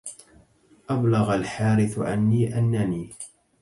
أبلغ الحارث عني أنني